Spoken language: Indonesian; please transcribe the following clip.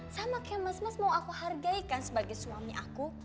sama kemas mas mau aku hargai kan sebagai suami aku